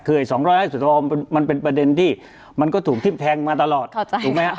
คือสองร้อยห้าสิบสอวอมันเป็นประเด็นที่มันก็ถูกทิ้มแทงมาตลอดถูกไหมฮะ